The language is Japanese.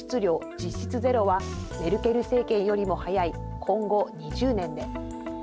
実質ゼロはメルケル政権よりも早い今後２０年で。